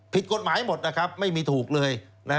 ผิดกฎหมายหมดนะครับไม่มีถูกเลย